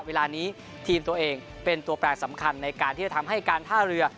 เวลานี้ทีมตัวเองเป็นตัวแปรสำคัญในการที่จะทำให้การท่าเรือ